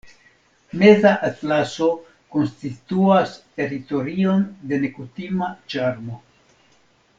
Meza Atlaso konstituas teritorion de nekutima ĉarmo.